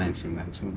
その。